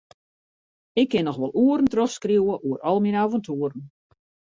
Ik kin noch wol oeren trochskriuwe oer al myn aventoeren.